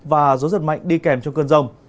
và gió giật mạnh đi kèm cho cơn rông